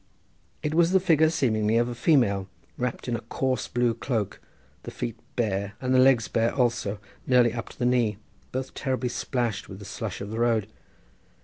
It was the figure seemingly of a female, wrapped in a coarse blue cloak, the feet bare and the legs bare also nearly up to the knee, both terribly splashed with the slush of the road.